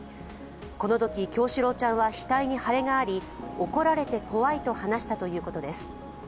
このとき叶志郎ちゃんは額に腫れがあり怒られて怖いと話したということです。